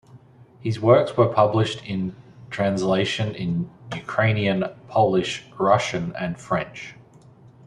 His works were published in translation in Ukrainian, Polish, Russian and French.